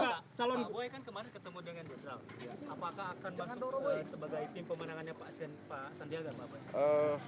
pak pak boy kan kemarin ketemu dengan jendral apakah akan masuk sebagai tim pemenangannya pak sandiaga